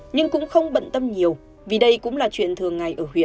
nhưng cũng không bận tâm nhiều vì đây cũng là chuyện thường ngày ở huyện